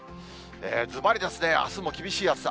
ずばりあすも厳しい暑さ。